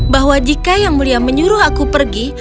bahwa jika yang mulia menyuruh aku pergi